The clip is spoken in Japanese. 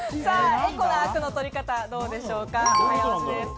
エコなアクの取り方どうでしょうか？